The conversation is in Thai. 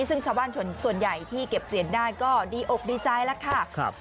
ซึ่งชาวบ้านส่วนใหญ่ที่เก็บเหรียญได้ก็ดีอกดีใจแล้วค่ะ